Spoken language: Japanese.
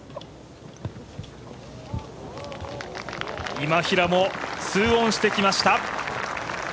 今平も２オンしてきました。